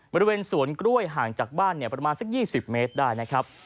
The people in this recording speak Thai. บริเวณสวนกล้วยห่างจากบ้านประมาณสัก๒๐เมตรได้นะครับ